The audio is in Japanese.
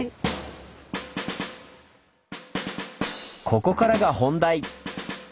ここからが本題！